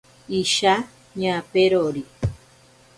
Isha ñaperori.